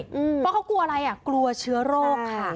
เพราะเขากลัวอะไรอ่ะกลัวเชื้อโรคค่ะ